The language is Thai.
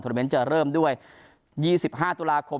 เมนต์จะเริ่มด้วย๒๕ตุลาคม